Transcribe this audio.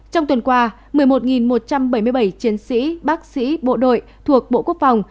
trong tuần qua một mươi một một trăm bảy mươi bảy chiến sĩ bác sĩ bộ đội thuộc bộ quốc phòng